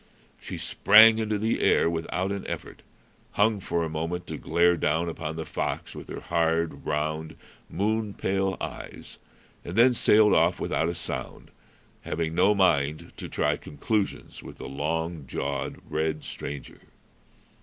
She sprang into the air without an effort, hung for a moment to glare down upon the fox with her hard, round, moon pale eyes, and then sailed off without a sound, having no mind to try conclusions with the long jawed red stranger.